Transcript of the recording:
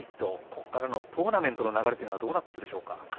ここからのトーナメントの流れはどうなっていきますか。